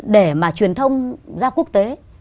để mà truyền thông ra quốc tế